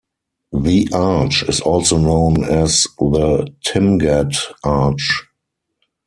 The arch is also known as the Timgad Arch.